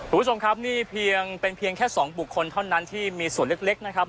คุณผู้ชมครับนี่เพียงเป็นเพียงแค่๒บุคคลเท่านั้นที่มีส่วนเล็กนะครับ